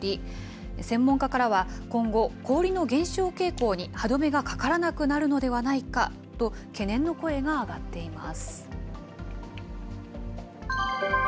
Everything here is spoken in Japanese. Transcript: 専門家からは、今後、氷の減少傾向に歯止めがかからなくなるのではないかと懸念の声が上がっています。